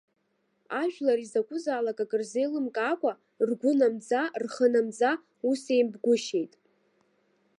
Ажәлар изакәызаалак ак рзеилымкаакәа, ргәы намӡа, рхы намӡа, ус еимпгәышьеит.